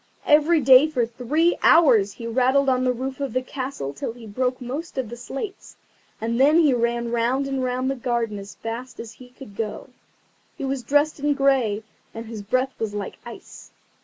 Every day for three hours he rattled on the roof of the castle till he broke most of the slates, and then he ran round and round the garden as fast as he could go. He was dressed in grey, and his breath was like ice.